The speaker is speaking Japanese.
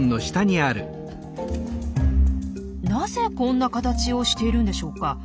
なぜこんな形をしているんでしょうか？